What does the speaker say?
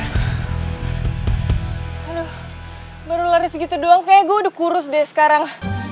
aduh baru lari segitu doang kayaknya gue udah kurus deh sekarang